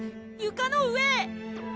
床の上へ！